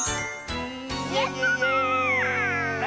やった！